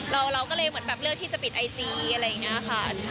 เราก็เลยเหมือนแบบเลือกที่จะปิดไอจีอะไรอย่างนี้ค่ะ